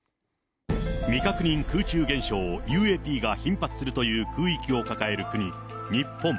未確認空中現象、ＵＡＰが頻発するという空域を抱える国、日本。